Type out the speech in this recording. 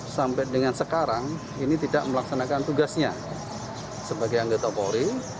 sampai dengan sekarang ini tidak melaksanakan tugasnya sebagai anggota polri